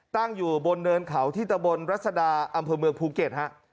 ตั้งอยู่บนเนินเขาที่ตะบนรัศดาอำเภอเมืองภูเก็ตฮะ